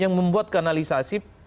yang membuat kanalisasi partai yang lain